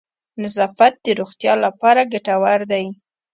نظافت د روغتیا لپاره گټور دی.